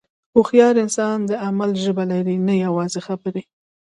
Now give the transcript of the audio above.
هوښیار انسان د عمل ژبه لري، نه یوازې خبرې.